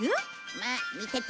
まあ見てて。